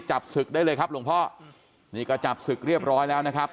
จับศึกได้เลยครับหลวงพ่อนี่ก็จับศึกเรียบร้อยแล้วนะครับ